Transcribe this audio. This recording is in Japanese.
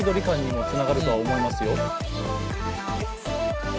つながるとは思いますよ。